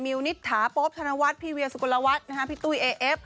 วนิษฐาโป๊บธนวัฒน์พี่เวียสุกลวัฒน์พี่ตุ้ยเอเอฟ